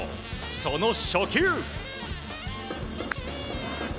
その初球。